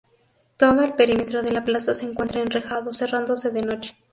Todo el perímetro de la plaza se encuentra enrejado, cerrándose de noche.